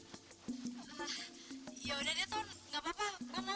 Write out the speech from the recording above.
ah yaudah deh ton nggak apa apa